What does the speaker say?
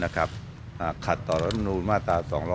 ขัตรติศาสตร์ธรรมนีรสมาตร๒๕๘